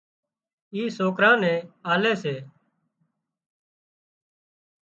اِي سوڪران نين آلي سي